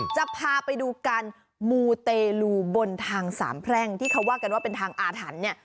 จะพาไปดูการมูเตลูบนทางสามแพร่งที่เขาว่ากันว่าเป็นทางอาถรรพ์เนี่ย